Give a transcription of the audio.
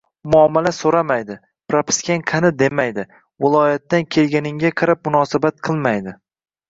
«muomala» so‘ramaydi, propiskang qani demaydi, viloyatdan kelganingga qarab munosabat qilmaydi.